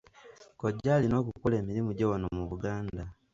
Kojja alina okukola emirimu gye wano mu Buganda.